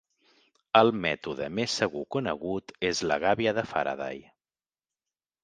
El mètode més segur conegut és la gàbia de Faraday.